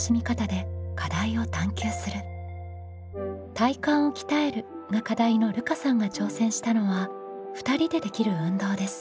「体幹を鍛える」が課題のるかさんが挑戦したのは２人でできる運動です。